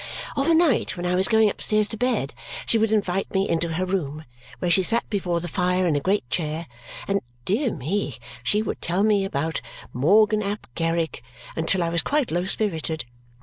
Of a night when I was going upstairs to bed, she would invite me into her room, where she sat before the fire in a great chair; and, dear me, she would tell me about Morgan ap Kerrig until I was quite low spirited!